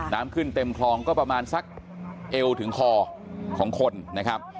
น้ำขึ้นเต็มคลองก็ประมาณสักเอวถึงคอของคนนะครับ